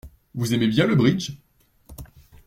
Vous aimez bien le bridge?